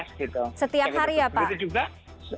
setiap hari ya pak